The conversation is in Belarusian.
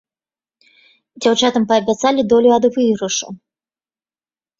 Дзяўчатам паабяцалі долю ад выйгрышу.